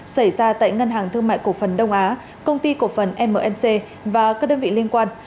xảy ra tại ngân hàng thương mại cổ phần đông á công ty cổ phần mc và các đơn vị liên quan